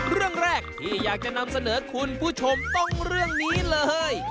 เรื่องแรกที่อยากจะนำเสนอคุณผู้ชมต้องเรื่องนี้เลย